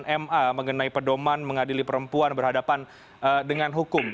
ma mengenai pedoman mengadili perempuan berhadapan dengan hukum